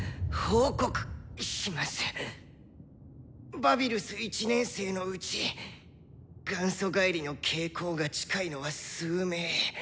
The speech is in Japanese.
バビルス１年生のうち元祖返りの傾向が近いのは数名。